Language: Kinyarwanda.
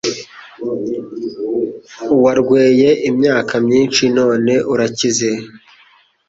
Warweye imyaka minshi none urakize